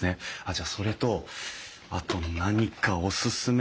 じゃあそれとあと何かおすすめは。